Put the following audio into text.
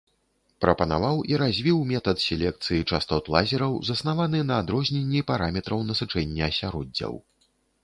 Прапанаваў і развіў метад селекцыі частот лазераў, заснаваны на адрозненні параметраў насычэння асяроддзяў.